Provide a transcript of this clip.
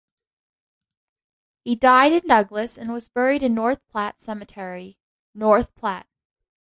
He died in Douglas, and was buried in North Platte Cemetery, North Platte.